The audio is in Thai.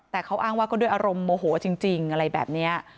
แต่เขาอ้างว่าก็ด้วยอารมณ์โมโหจริงอะไรแบบนี้